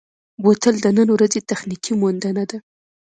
بوتل د نن ورځې تخنیکي موندنه ده.